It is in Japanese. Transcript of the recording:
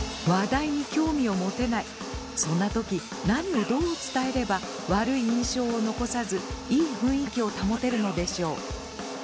そんな時何をどう伝えれば悪い印象を残さずいい雰囲気を保てるのでしょう。